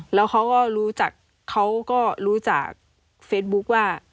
แล้วเขาก็รู้จักเขาก็รู้จักเฟซบุ๊คว่า